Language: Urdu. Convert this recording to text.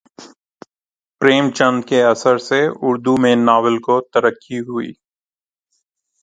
پریم چند کے اثر سے اردو میں ناول کو ترقی ہوئی